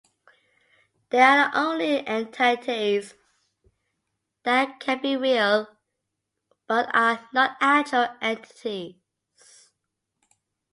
They are the only entities that can be real but are not actual entities.